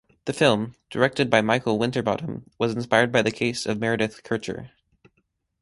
The film, directed by Michael Winterbottom, was inspired by the case of Meredith Kercher.